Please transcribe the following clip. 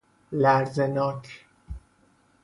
لرزه ناک